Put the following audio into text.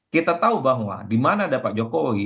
kita tahu bahwa di mana ada pak jokowi